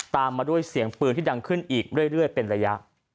ตามมาด้วยเสียงปืนที่ดังขึ้นอีกเรื่อยเป็นระยะ